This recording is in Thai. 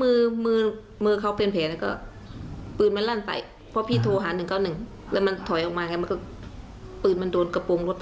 อยู่ด้วยกันมา๑๑ปีแล้วนะให้โอกาสตลอดเลย